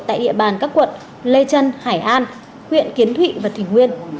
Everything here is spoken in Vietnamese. tại địa bàn các quận lê trân hải an huyện kiến thụy và thủy nguyên